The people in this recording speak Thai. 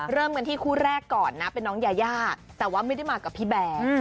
เริ่มกันที่คู่แรกก่อนนะเป็นน้องยายาแต่ว่าไม่ได้มากับพี่แบร์